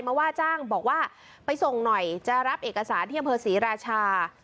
ว่าจ้างบอกว่าไปส่งหน่อยจะรับเอกสารที่อำเภอศรีราชา